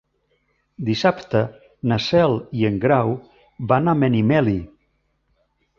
Dissabte na Cel i en Grau van a Benimeli.